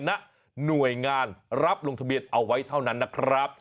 ณหน่วยงานรับลงทะเบียนเอาไว้เท่านั้นนะครับ